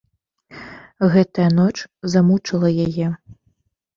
Гэтая ноч змучыла яе.